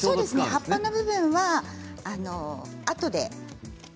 葉っぱの部分はあとで。